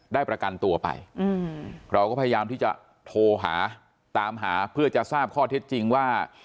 ประกันตัวไปเราก็พยายามที่จะโทรหาตามหาเพื่อจะทราบข้อเท็จจริงว่า